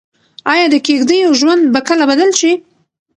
ايا د کيږديو ژوند به کله بدل شي؟